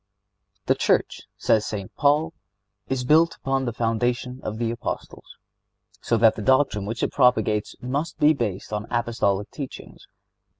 The Church, says St. Paul, is "built upon the foundation of the Apostles,"(70) so that the doctrine which it propagates must be based on Apostolic teachings.